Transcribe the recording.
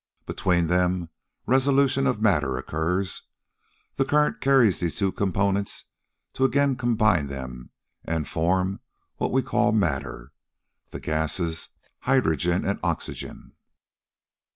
Between them resolution of matter occurs. The current carries these two components to again combine them and form what we call matter, the gases hydrogen and oxygen.